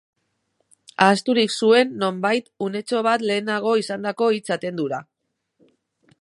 Ahazturik zuen, nonbait, unetxo bat lehenago izandako hitz-atendura.